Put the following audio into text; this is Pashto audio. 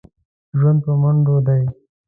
ژوند په منډو دی.